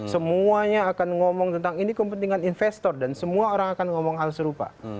semuanya akan ngomong tentang ini kepentingan investor dan semua orang akan ngomong hal serupa